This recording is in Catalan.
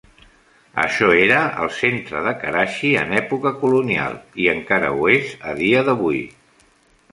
Això era el centre de Karachi en època colonial i encara ho és a dia d'avui.